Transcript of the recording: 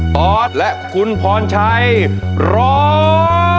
ตอสและคุณพรชัยร้อง